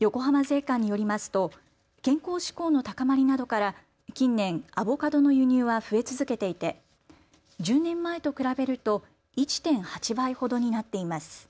横浜税関によりますと健康志向の高まりなどから近年、アボカドの輸入は増え続けていて１０年前と比べると１．８倍ほどになっています。